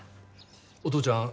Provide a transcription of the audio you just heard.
お父ちゃん